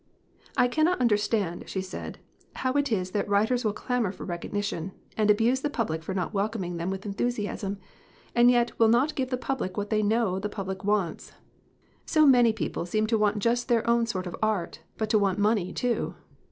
"I cannot understand," she said, "how it is that writers will clamor for recognition, and abuse the public for not welcoming them with enthu siasm, and yet will not give the public what they 24 THE JOYS OF THE POOR know that the public wants. So many people seem to want just their own sort of art, but to want money, too.